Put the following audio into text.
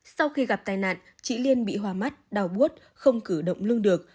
sau khi gặp tai nạn chị liên bị hoa mắt đau bút không cử động lưng được